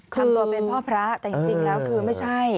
ทำตัวเป็นพ่อพระแต่จริงแล้วคือไม่ใช่